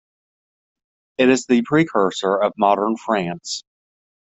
It is the precursor of modern France.